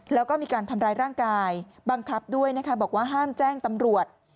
แล้วก็มีการทำร้ายร่างกายบังคับด้วยนะคะบอกว่าห้ามแจ้งตำรวจ